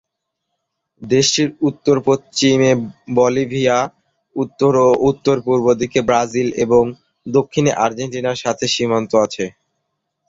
দেশটির উত্তর-পশ্চিমে বলিভিয়া, উত্তর ও উত্তর-পূর্ব দিকে ব্রাজিল এবং দক্ষিণে আর্জেন্টিনার সাথে সীমান্ত আছে।